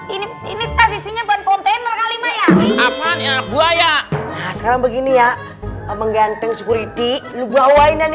ini ini tas isinya kontainer kali ya sekarang begini ya mengganteng security lu bawain ini